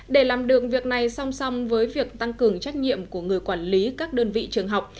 để làm được việc này song song với việc tăng cường trách nhiệm của người quản lý các đơn vị trường học